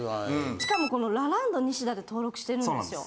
しかもこの「ラランドニシダ」で登録してるんですよ。